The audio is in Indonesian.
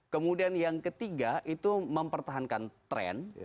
kemudian yang ketiga itu mempertahankan tren